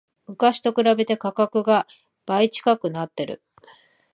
昔と比べて価格が倍近くなってる